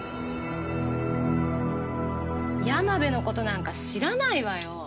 山部のことなんか知らないわよ。